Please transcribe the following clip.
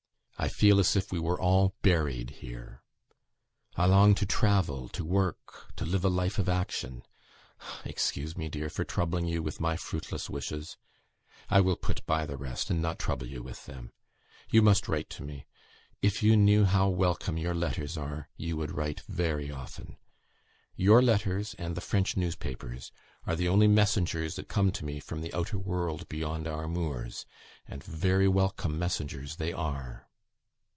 I feel as if we were all buried here. I long to travel; to work; to live a life of action. Excuse me, dear, for troubling you with my fruitless wishes. I will put by the rest, and not trouble you with them. You must write to me. If you knew how welcome your letters are, you would write very often. Your letters, and the French newspapers, are the only messengers that come to me from the outer world beyond our moors; and very welcome messengers they are."